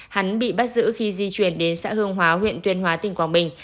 hắn bị bắt giữ khi di chuyển đến xã hương hóa huyện tuyên hóa tỉnh quảng bình